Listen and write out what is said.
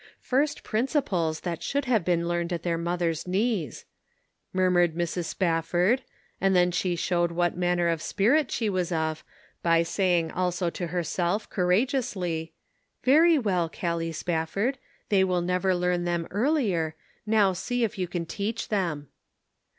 " First principles, that should have been learned at their mothers' knees," murmured Mrs. Spafford and then she showed what man ner of spirit she was of, by saying also to herself, courageously :" Very well, Gallic Spaf ford, they will never learn them earlier ; now see if you can teach them."